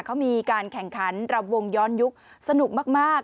เขามีการแข่งขันรำวงย้อนยุคสนุกมาก